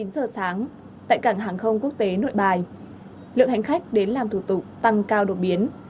chín giờ sáng tại cảng hàng không quốc tế nội bài lượng hành khách đến làm thủ tục tăng cao đột biến